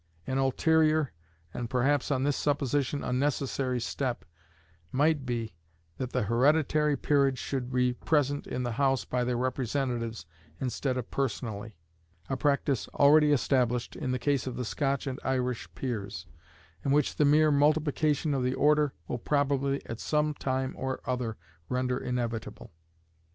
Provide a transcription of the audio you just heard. An ulterior, and perhaps, on this supposition, a necessary step, might be, that the hereditary peerage should be present in the House by their representatives instead of personally: a practice already established in the case of the Scotch and Irish peers, and which the mere multiplication of the order will probably at some time or other render inevitable.